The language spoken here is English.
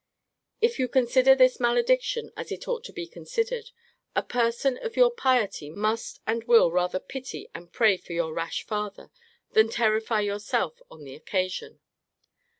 If you consider this malediction as it ought to be considered, a person of your piety must and will rather pity and pray for your rash father, than terrify yourself on the occasion.